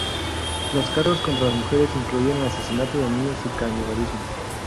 Los cargos contra las mujeres incluían asesinato de niños y canibalismo.